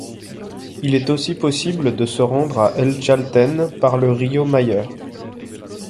Il est aussi possible de se rendre à El Chaltén par le río Mayer.